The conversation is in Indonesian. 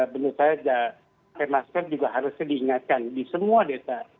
menurut saya pakai masker juga harusnya diingatkan di semua desa